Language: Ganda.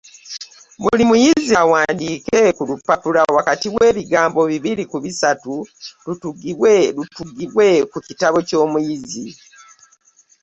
Buli muyizi awandiike ku bupapula wakati w’ebigambo bibiri n'ebisatu lutuggibwe ku kitabo ky’omuyizi.